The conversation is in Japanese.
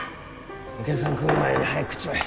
お客さん来る前に早く食っちまえ